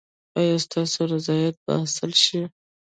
ایا ستاسو رضایت به حاصل شي؟